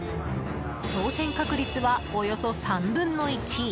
当選確率は、およそ３分の１。